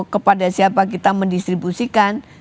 kepada siapa kita mendistribusikan